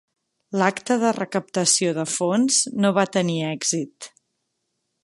L'acte de recaptació de fons no va tenir èxit.